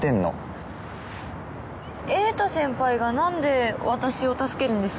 瑛太先輩がなんで私を助けるんですか？